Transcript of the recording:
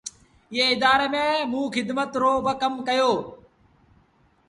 ايئي ادآري ميݩ موݩ کدمت رو با ڪم ڪيو۔